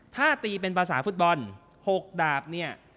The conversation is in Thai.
ถ้าตีเป็นภาษาฟุตบอล๖ดาบเนี่ย